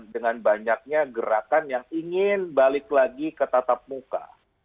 dengan banyaknya gerakan yang ingin balik lagi ke tatap muka